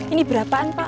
ini berapaan pak